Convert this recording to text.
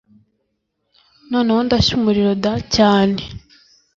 noneho ndashya umuriro dacyane